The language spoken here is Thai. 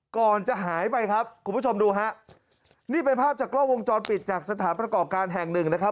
ก่อนจะหายไปครับคุณผู้ชมดูฮะนี่เป็นภาพจากกล้องวงจรปิดจากสถานประกอบการแห่งหนึ่งนะครับ